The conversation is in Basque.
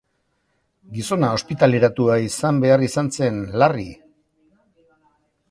Gizona ospitaleratua izan behar izan zen, larri.